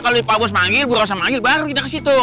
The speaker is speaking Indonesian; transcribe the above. kalau di pabos manggil burosa manggil baru kita ke situ